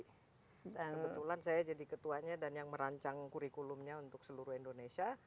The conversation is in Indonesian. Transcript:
kebetulan saya jadi ketuanya dan yang merancang kurikulumnya untuk seluruh indonesia